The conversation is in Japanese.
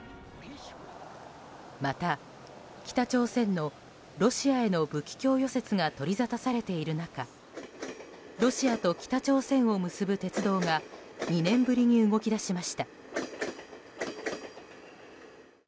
また、北朝鮮のロシアへの武器貸与説が取りざたされている中ロシアと北朝鮮を結ぶ鉄道が２年ぶりに動き出しました。